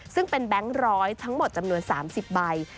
ซึ่งเป็นแบงค์ร้อยทั้งหมดจำนวน๓๐ใบ